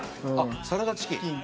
サラダチキン？